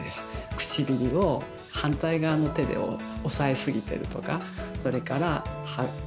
唇を反対側の手で押さえすぎてるとかそれから歯ブラシが痛いとかね。